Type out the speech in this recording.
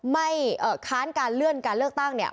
ค้านการเลื่อนการเลือกตั้งเนี่ย